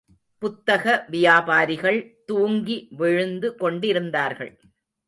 புத்தக வியாபாரிகள் தூங்கி விழுந்து கொண்டிருந்தார்கள்.